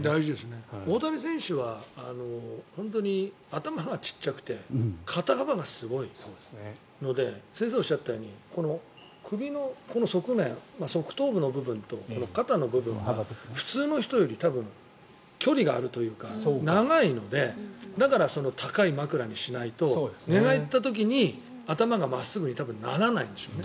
大谷選手は、本当に頭が小さくて肩幅がすごいので先生がおっしゃったように首の側面、側頭部の部分と肩の部分が普通の人より多分、距離があるというか長いのでだから、高い枕にしないと寝返った時に頭が真っすぐにならないんでしょうね。